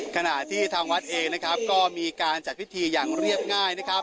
ขณะที่ทางวัดเองก็มีการจัดพิธีอย่างเรียบง่าย